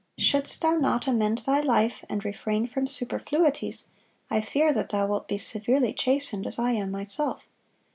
Shouldst thou not amend thy life and refrain from superfluities, I fear that thou wilt be severely chastened, as I am myself....